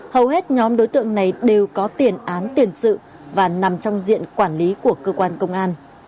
hầu hết nhóm đối tượng này đều có tiền án tiền sự và nằm trong diện quản lý của cơ quan công an